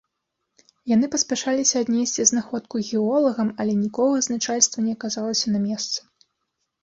Яны паспяшаліся аднесці знаходку геолагам, але нікога з начальства не аказалася на месцы.